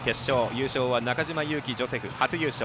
優勝は中島佑気ジョセフで初優勝。